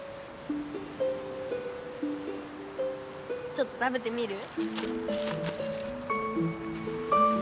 ちょっと食べてみる？